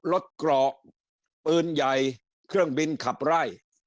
รถเกราะปืนใหญ่เครื่องบินขับไร้